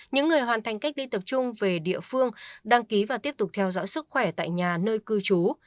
những người hoàn thành cách ly tập trung về địa phương đăng ký và tiếp tục theo dõi sức khỏe tại nhà nơi cư trú